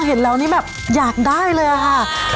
เห็นแล้วไม่อยากได้เลยอ่าค่ะ